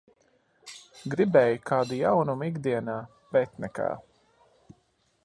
Gribēju kādu jaunumu ikdienā, bet nekā.